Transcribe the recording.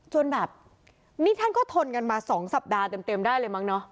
แบบนี่ท่านก็ทนกันมา๒สัปดาห์เต็มได้เลยมั้งเนอะ